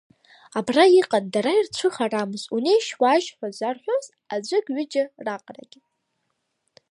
Абра иҟан дара ирцәыхарамыз, унеишь-уааишь ҳәа зарҳәоз аӡәык-ҩыџьак раҟарагьы.